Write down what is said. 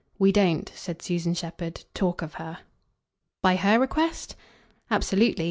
We don't," said Susan Shepherd, "talk of her." "By her request?" "Absolutely.